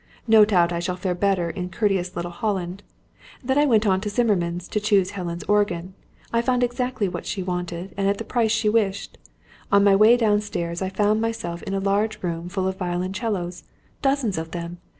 No doubt I shall fare better in courteous little Holland. Then I went on to Zimmermann's to choose Helen's organ. I found exactly what she wanted, and at the price she wished. On my way downstairs I found myself in a large room full of violoncellos dozens of them.